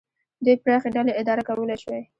دوی پراخې ډلې اداره کولای شوای.